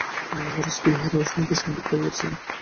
মহারাজ কি ইহারই মধ্যে সংবাদ পাইয়াছেন?